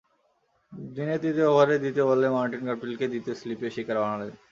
দিনের তৃতীয় ওভারের দ্বিতীয় বলেই মার্টিন গাপটিলকে দ্বিতীয় স্লিপে শিকার বানালেন।